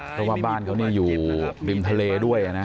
เพราะว่าบ้านเขานี่อยู่ริมทะเลด้วยนะ